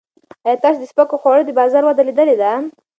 ایا تاسو د سپکو خوړو د بازار وده لیدلې ده؟